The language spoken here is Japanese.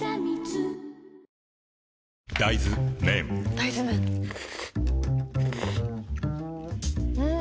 大豆麺ん？